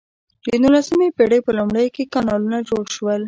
د نولسمې پیړۍ په لومړیو کې کانالونه جوړ شول.